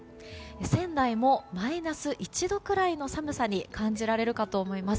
仙台もマイナス１度ぐらいの寒さに感じられるかと思います。